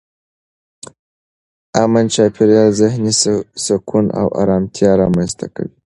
امن چاپېریال ذهني سکون او ارامتیا رامنځته کوي.